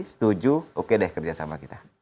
setuju oke deh kerjasama kita